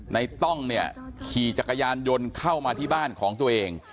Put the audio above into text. ต้องเนี่ยขี่จักรยานยนต์เข้ามาที่บ้านของตัวเอง